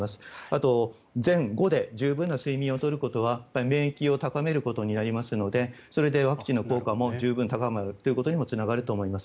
あと、前後で十分な睡眠を取ることは免疫を高めることになりますのでワクチンの効果も十分高まることにつながると思います。